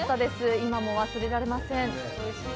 今も忘れられません！